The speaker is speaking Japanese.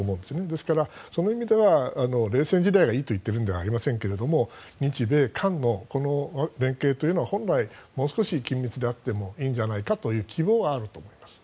ですから、その意味では冷戦時代がいいと言っているんではないですが日米韓の連携というのは本来はもう少し緊密であってもいいのではという希望はあると思います。